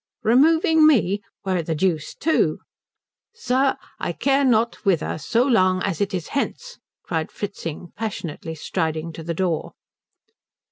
"Removing me! Where the deuce to?" "Sir, I care not whither so long as it is hence," cried Fritzing, passionately striding to the door.